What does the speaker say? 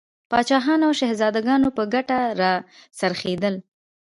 پاچاهانو او شهزادګانو په ګټه را څرخېدل.